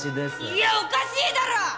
いやおかしいだろ！